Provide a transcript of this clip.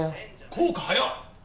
効果早っ！